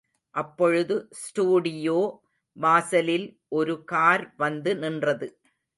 அப்பொழுது ஸ்டுடியோ வாசலில் ஒரு கார் வந்து நின்றது.